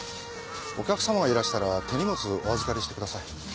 お客様がいらしたら手荷物お預かりしてください。